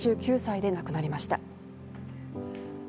８９歳で亡くなりました。